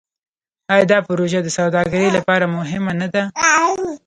آیا دا پروژه د سوداګرۍ لپاره مهمه نه ده؟